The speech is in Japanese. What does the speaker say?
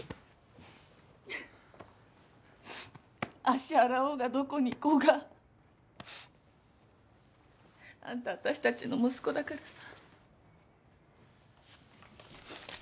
足洗おうがどこに行こうがあんた私たちの息子だからさ。